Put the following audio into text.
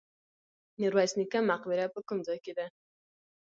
میرویس نیکه مقبره په کوم ځای کې ده؟